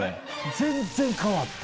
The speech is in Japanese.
全然変わった！